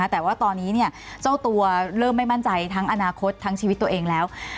แต่ว่าตอนนี้เจ้าตัวเริ่มไม่มั่นใจทั้งอนาคตทั้งชีวิตตัวเองแล้ว